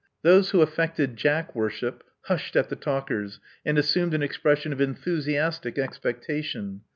Those who affected Jack worship hashed at the talkers, and assumed an expression of enthusiastic expectation.